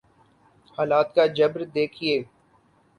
حالات کا جبر دیکھیے۔